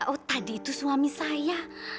oh tadi itu suami saya